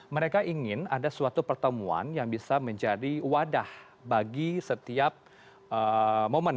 mereka ingin ada suatu pertemuan yang bisa menjadi wadah bagi setiap momen